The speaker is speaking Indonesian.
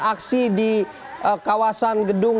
aksi di kawasan gedung